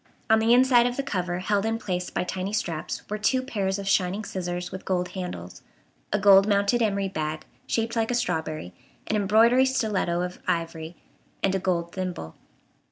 On the inside of the cover, held in place by tiny straps, were two pairs of shining scissors with gold handles, a gold mounted emery bag, shaped like a strawberry, an embroidery stiletto of ivory, and a gold thimble.